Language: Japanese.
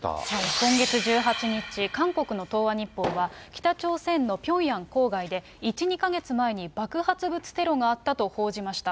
今月１８日、韓国の東亜日報は北朝鮮のピョンヤン郊外で、１、２か月前に爆発物テロがあったと報じました。